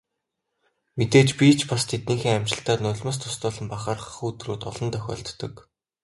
Мэдээж би ч бас тэднийхээ амжилтаар нулимс дуслуулан бахархах өдрүүд олон тохиолддог.